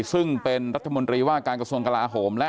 ซึ่งเป็นรัฐมนตรีว่าการกระทรวงกลาโหมและ